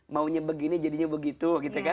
maunya begini jadinya begitu